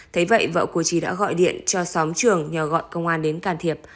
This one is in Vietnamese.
thấy vậy vợ của trí đã gọi điện cho xóm trường nhờ gọi công an đến can thiệp